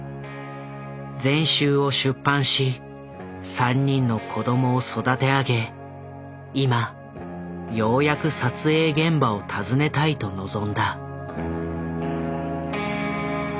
全集を出版し３人の子供を育て上げ今ようやく撮影現場を訪ねたいと望んだ。